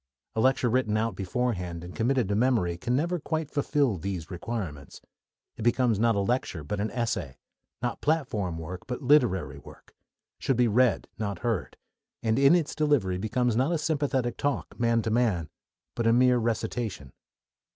A lecture written out beforehand and committed to memory can never quite fulfil these requirements. It becomes not a lecture, but an essay; not platform work, but literary work; should be read, not heard; and in its delivery becomes not a sympathetic talk, man to man, but a mere recitation.